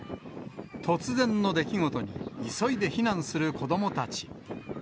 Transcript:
突然の出来事に急いで避難する子どもたち。